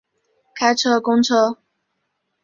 开车公车